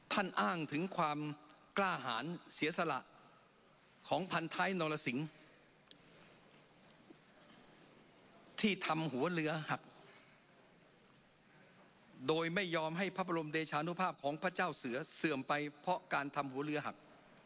ท่านอ้างถึงความกล้าหารเสียสละของพันท้ายนรสิงที่ทำหัวเรือหักโดยไม่ยอมให้พระบรมเดชานุภาพของพระเจ้าเสือเสื่อมไปเพราะการทำหัวเรือหัก